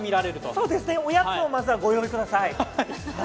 そうですね、おやつをまずはご用意ください。